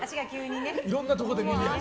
いろんなところで見るやつ。